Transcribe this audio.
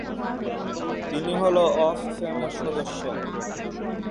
তিনি hall of ফেমের সদস্য।